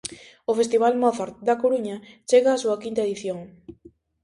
O festival Mozart da Coruña chega á súa quinta edición.